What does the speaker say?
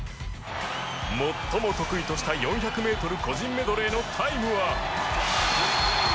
最も得意とした４００ｍ個人メドレーのタイムは。